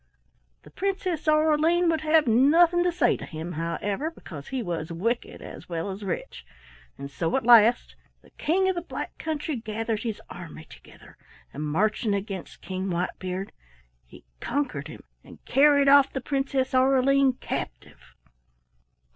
"The Princess Aureline would have nothing to say to him, however, because he was wicked as well as rich, so at last the King of the Black Country gathered his army together and marching against King Whitebeard he conquered him and carried off the Princess Aureline captive.